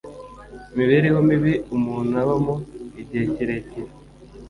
Imibereho mibi umuntu abamo igihe kirekire